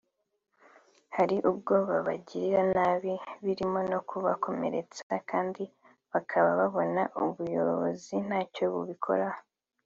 hari ubwo babagirira nabi birimo no kubakomeretsa kandi bakaba babona ubuyobozi ntacyo bubikoraho